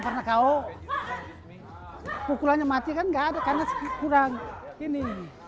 kecintaan elias pikal pada dunia tinju terlihat jelas pada raut muka eli